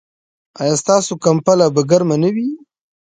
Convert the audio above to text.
ایا ستاسو کمپله به ګرمه نه وي؟